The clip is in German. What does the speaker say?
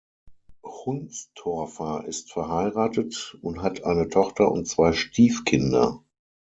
Hundstorfer ist verheiratet und hat eine Tochter und zwei Stiefkinder.